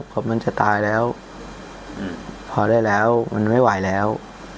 ผมมันจะตายแล้วพอได้แล้วมันไม่ไหวแล้ว